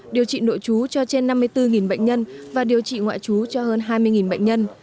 điều trị nội trú cho trên năm mươi bốn bệnh nhân và điều trị ngoại trú cho hơn hai mươi bệnh nhân